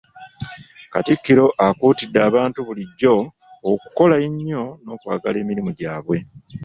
Katikkiro akuutidde abantu bulijjo okukola ennyo n’okwagala emirimu gyabwe.